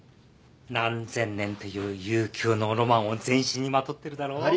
何千年という悠久のロマンを全身にまとってるだろ？